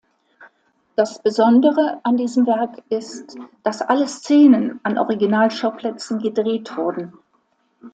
Das Besondere an diesem Werk ist, dass alle Szenen an Originalschauplätzen gedreht wurden.